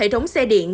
hệ thống xe điện